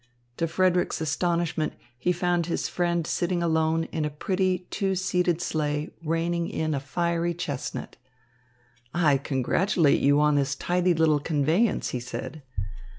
To Frederick's astonishment he found his friend sitting alone in a pretty, two seated sleigh reining in a fiery chestnut. "I congratulate you on this tidy little conveyance," he said.